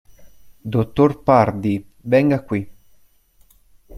Dottor Pardi, venga qui.